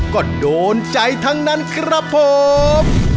ก็โดนใจทั้งนั้นครับผม